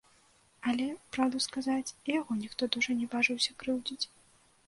Але, праўду сказаць, і яго ніхто дужа не важыўся крыўдзіць.